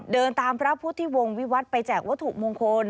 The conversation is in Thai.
เดินตามพระพุทธิวงศ์วิวัตรไปแจกวัตถุมงคล